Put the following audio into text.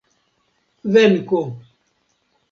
venko